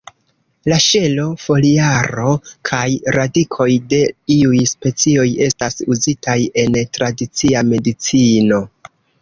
La ŝelo, foliaro kaj radikoj de iuj specioj estas uzitaj en tradicia medicino.